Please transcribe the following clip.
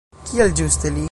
Kial ĝuste li?